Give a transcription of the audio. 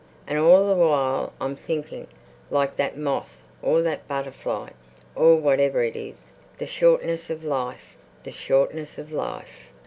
And all the while I'm thinking, like that moth, or that butterfly, or whatever it is, 'The shortness of life! The shortness of life!